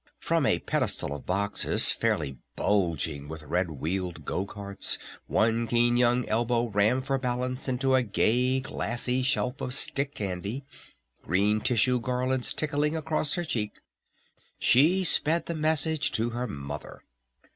From a pedestal of boxes fairly bulging with red wheeled go carts, one keen young elbow rammed for balance into a gay glassy shelf of stick candy, green tissue garlands tickling across her cheek, she sped the message to her mother.